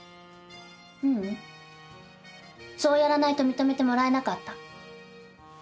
ううんそうやらないと認めてもらえなかった。